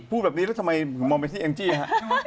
พูดแบบนี้แล้วทำไมผมมองไปที่แองจี้ฮะ